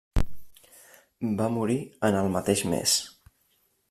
Va morir en el mateix mes.